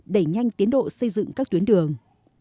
đẩy nhanh tiến độ xây dựng các tuyến đường